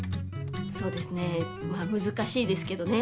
そうですねまあむずかしいですけどね。